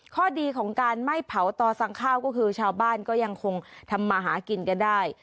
ข้อดีของการไม่เผาต่อสั่งข้าวก็คือชาวบ้านก็ยังคงทำมาหากินกันได้